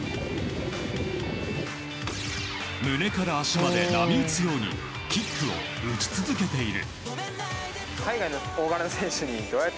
胸から足まで波打つようにキックを打ち続けている。